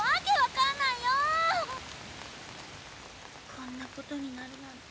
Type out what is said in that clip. こんな事になるなんて。